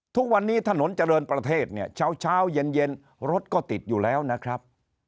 ทุกวันนี้ถนนเจริญประเทศเนี่ยเช้าเย็นรถก็ติดอยู่แล้วนะครับ